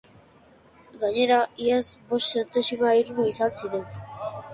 Gainera, iaz bost sententzia irmo izan ziren.